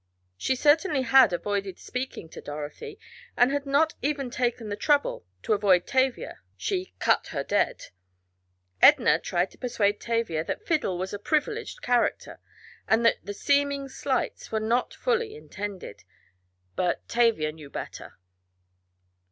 She certainly had avoided speaking to Dorothy, and had not even taken the trouble to avoid Tavia she "cut her dead." Edna tried to persuade Tavia that "Fiddle" was a privileged character, and that the seeming slights were not fully intended; but Tavia knew better.